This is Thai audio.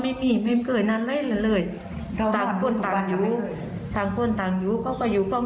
ก็ไม่มีไม่เกิดนั้นเลยต่างคนต่างอยู่ต่างคนต่างอยู่เขา